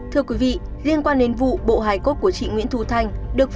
hiện trường vụ án cũng không còn